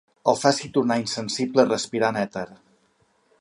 El faci tornar insensible respirant èter.